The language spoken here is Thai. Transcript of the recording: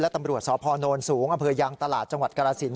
และตำรวจสอพนธ์โน้นสูงอเผยางตลาดจังหวัดกราศิลป์